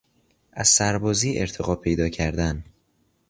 از سربازی ارتقا پیدا کردن